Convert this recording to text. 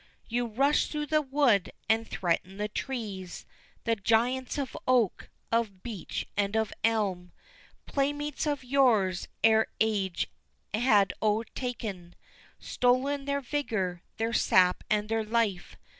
You rush through the wood and threaten the trees The giants of oak, of beech, and of elm, Playmates of yours ere age had o'ertaken, Stolen their vigor, their sap, and their life.